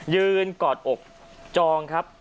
กอดอกจองครับ